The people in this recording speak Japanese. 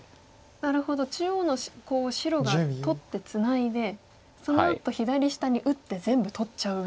なるほど中央のコウを白が取ってツナいでそのあと左下に打って全部取っちゃうぐらいの。